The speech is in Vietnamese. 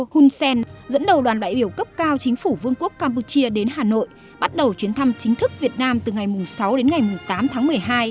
hun sen dẫn đầu đoàn đại biểu cấp cao chính phủ vương quốc campuchia đến hà nội bắt đầu chuyến thăm chính thức việt nam từ ngày sáu đến ngày tám tháng một mươi hai